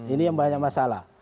ini yang banyak masalah